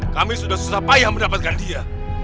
kami sudah susah payah mendapatkan dia